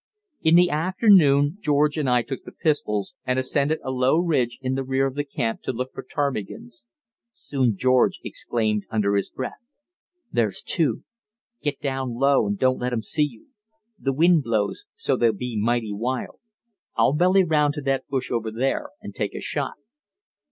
In the afternoon George and I took the pistols and ascended a low ridge in the rear of the camp to look for ptarmigans. Soon George exclaimed under his breath: "There's two! Get down low and don't let 'em see you; the wind blows so they'll be mighty wild. I'll belly round to that bush over there and take a shot."